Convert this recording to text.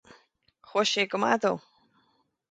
Chuaigh sé go maith dó.